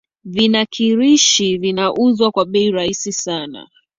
vinakirishi vinauzwa kwa bei rahisi sana